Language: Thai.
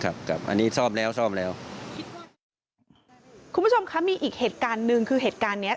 ครับครับอันนี้ซ่อมแล้วซ่อมแล้วคุณผู้ชมคะมีอีกเหตุการณ์หนึ่งคือเหตุการณ์เนี้ย